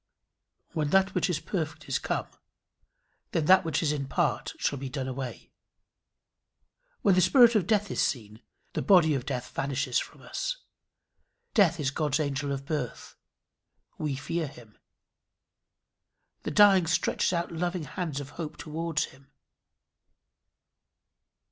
"When that which is perfect is come, then that which is in part shall be done away." When the spirit of death is seen, the body of death vanishes from us. Death is God's angel of birth. We fear him. The dying stretches out loving hands of hope towards him.